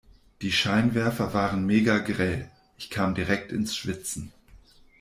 Die Scheinwerfer waren megagrell. Ich kam direkt ins Schwitzen.